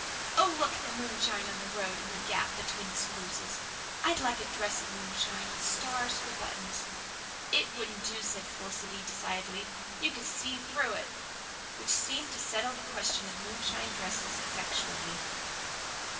Oh, look at the moonshine on the road in that gap between the spruces! I'd like a dress of moonshine, with stars for buttons." "It wouldn't do," said Felicity decidedly. "You could see through it." Which seemed to settle the question of moonshine dresses effectually.